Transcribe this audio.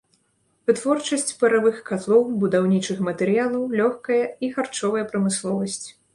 Вытворчасць паравых катлоў, будаўнічых матэрыялаў, лёгкая і харчовая прамысловасць.